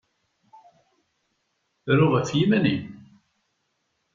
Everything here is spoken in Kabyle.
Ru ɣef yiman-im!